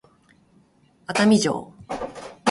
熱海城